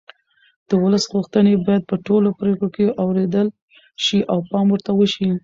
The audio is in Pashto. د ولس غوښتنې باید په ټولو پرېکړو کې اورېدل شي او پام ورته وشي